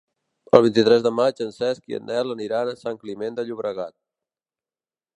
El vint-i-tres de maig en Cesc i en Nel aniran a Sant Climent de Llobregat.